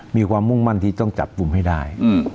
มีความมุ่งมั่นที่ต้องจับกลุ่มให้ได้